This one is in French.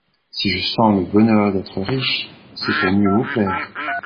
Si je sens le bonheur d'être riche, c'est pour mieux vous plaire.